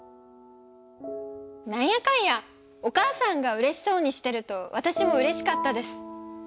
なんやかんやお母さんがうれしそうにしてると私もうれしかったです。